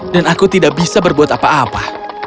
dan aku tidak bisa berbuat apa apa